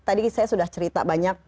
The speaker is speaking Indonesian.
tadi saya sudah cerita banyak